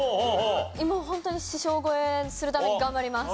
もうホントに師匠超えするために頑張ります。